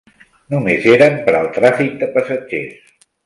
Només eren per al tràfic de passatgers.